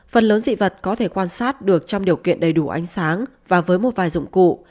phần lớn dị vật có thể quan sát được trong điều kiện đầy đủ ánh sáng và với một vài dụng cụ